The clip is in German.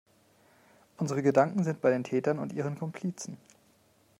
Unsere Gedanken sind bei den Tätern und ihren Komplizen.